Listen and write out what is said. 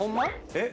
えっ？